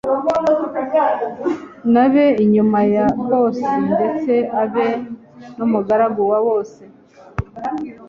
nabe inyuma ya bose, ndetse abe n'umugaragu wa bose. »